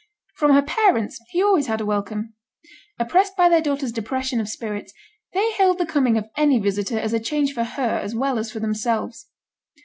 From her parents he always had a welcome. Oppressed by their daughter's depression of spirits, they hailed the coming of any visitor as a change for her as well as for themselves.